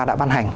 đã ban hành